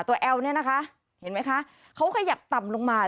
แอลเนี่ยนะคะเห็นไหมคะเขาขยับต่ำลงมา